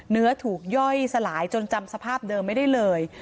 ถูกย่อยสลายจนจำสภาพเดิมไม่ได้เลย